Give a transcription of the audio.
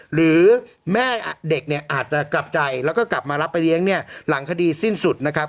หรือแม่เด็กเนี่ยอาจจะกลับใจแล้วก็กลับมารับไปเลี้ยงเนี่ยหลังคดีสิ้นสุดนะครับ